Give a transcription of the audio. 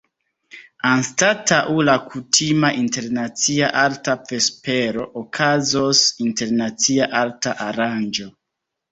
Anstataŭ la kutima Internacia Arta Vespero, okazos “Internacia Arta Aranĝo”.